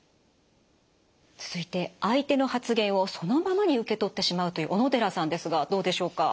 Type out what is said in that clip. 続いて相手の発言をそのままに受け取ってしまうという小野寺さんですがどうでしょうか？